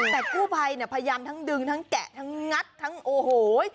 แต่กู้ภัยเนี่ยพยายามทั้งดึงทั้งแกะทั้งงัดทั้งโอ้โห